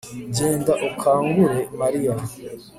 genda ukangure mariya